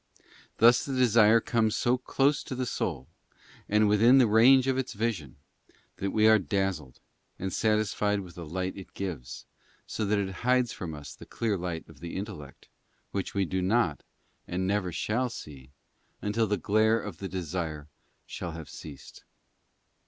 Thus the desire comes so close to the soul, and within the range of its vision, that we are dazzled, and satisfied with the light it gives, and so it hides from us the clear light of the intellect, which we do not, and never shall see, until the glare of the desire shall have ceased.